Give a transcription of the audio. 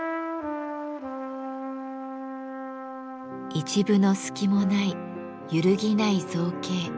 一分の隙もない揺るぎない造形。